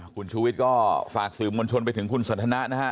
คนดุวิทย์ก็ฝากสื่อบรรชนไปถึงคุณสธัณฑ์นะฮะ